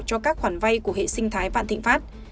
cho các khoản vay của hệ sinh thái vạn thịnh pháp